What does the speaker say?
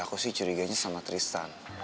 aku sih curiganya sama tristan